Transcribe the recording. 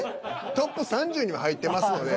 ＴＯＰ３０には入ってますので。